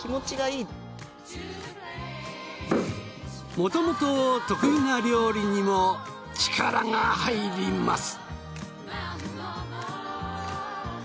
もともと得意な料理にも力が入ります。